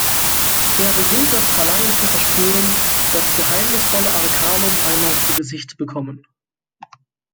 Er beginnt das Verlangen zu verspüren, das geheimnisvolle Arcanum einmal zu Gesicht bekommen.